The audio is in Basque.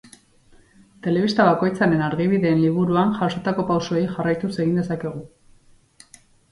Telebista bakoitzaren argibideen liburuan jasotako pausoei jarraituz egin dezakegu.